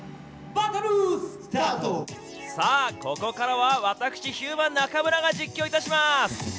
さあ、ここからは私、ヒューマン中村が実況いたします。